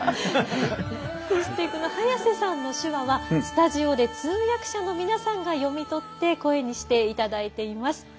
そして早瀬さんの手話はスタジオで通訳者の皆さんが読み取って声にしていただいています。